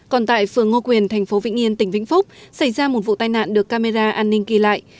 còn tại phường ngô quyền thành phố vĩnh yên tỉnh vĩnh phúc xảy ra một vụ tai nạn được camera an ninh ghi lại